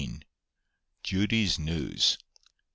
JUDY'S NEWS.